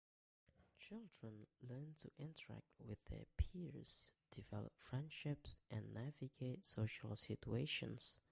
Children learn to interact with their peers, develop friendships, and navigate social situations.